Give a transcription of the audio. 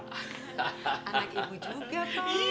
anak ibu juga pak